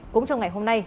cũng trong ngày hôm nay